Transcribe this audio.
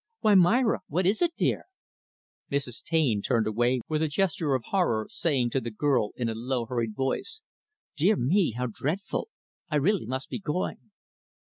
"Why, Myra! what is it, dear?" Mrs. Taine turned away with a gesture of horror, saying to the girl in a low, hurried voice, "Dear me, how dreadful! I really must be going."